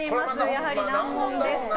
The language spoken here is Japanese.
やはり難問でした。